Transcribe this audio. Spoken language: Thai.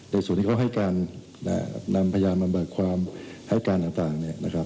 ในส่วนที่เขาให้การนำพยานมาบัดความให้การอันต่าง